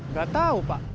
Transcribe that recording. nggak tahu pak